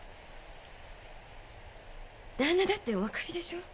旦那だってお分かりでしょう。